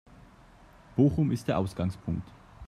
Bochum ist der Ausgangspunkt.